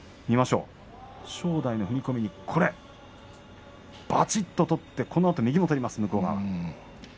正代の踏み込みバチッと取ってこのあと右も取りますね、向こう側。